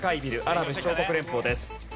アラブ首長国連邦です。